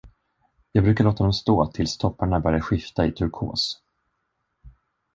Jag brukar låta dem stå tills topparna börjar skifta i turkos.